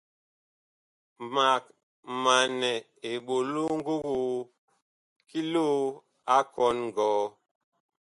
Mag manɛ eɓolo ngogoo ki loo a kɔn ngɔɔ.